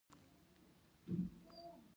رښتیا ویل تل غوره وي.